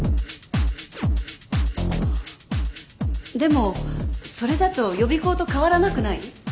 でもそれだと予備校と変わらなくない？